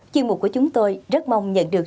chương mục của chúng tôi rất mong nhận được